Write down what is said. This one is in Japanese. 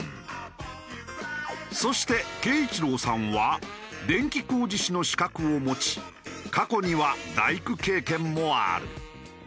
そして恵一郎さんは電気工事士の資格を持ち過去には大工経験もある。